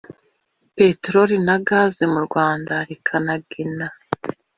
Peteroli na Gazi mu Rwanda rikanagena